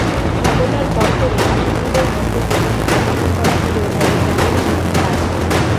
ঘটনার পরপরই আসামিদের মধ্যে দুজনকে আটক করা হলেও পরে জামিনে মুক্তি পায়।